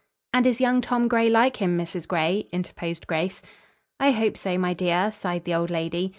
"And is young Tom Gray like him, Mrs. Gray?" interposed Grace. "I hope so, my dear," sighed the old lady.